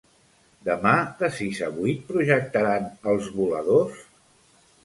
Demà de sis a vuit projectaran "Els voladors"?